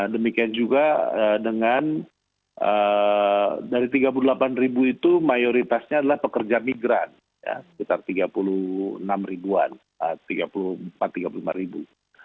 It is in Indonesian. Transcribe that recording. demikian juga dengan dari tiga puluh delapan ribu itu mayoritasnya adalah pekerja migran sekitar tiga puluh enam ribuan tiga puluh lima ribu